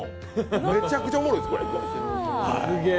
めちゃくちゃおもろいです、これ。